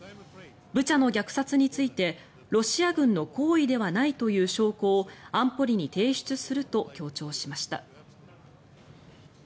ブチャの虐殺についてロシア軍の行為ではないという証拠を安保理に提出すると強調しました。